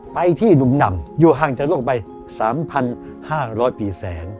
ไปที่หนุ่มนำอยู่ห่างจากโลกไป๓๕๐๐ปีแสง